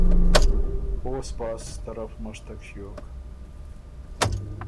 اوسپاس طرف مشتک ݭیوک